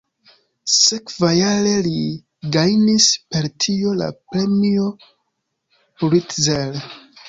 Sekvajare li gajnis per tio la Premio Pulitzer.